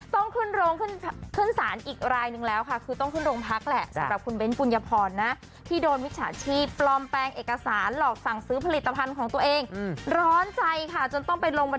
ต้องขึ้นโรงขึ้นศาลอีกรายนึงแล้วค่ะคือต้องขึ้นโรงพักแหละสำหรับคุณเบ้นปุญญพรนะที่โดนมิจฉาชีพปลอมแปลงเอกสารหลอกสั่งซื้อผลิตภัณฑ์ของตัวเองร้อนใจค่ะจนต้องไปลงวัน